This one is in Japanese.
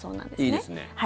いいですね。